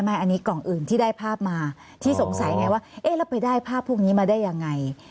อันนี้กล่องอื่นที่ได้ภาพมาที่สงสัยไงว่าเอ๊ะแล้วไปได้ภาพพวกนี้มาได้ยังไง